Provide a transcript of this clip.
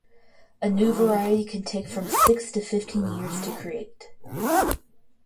A new variety can take from six to fifteen years to create.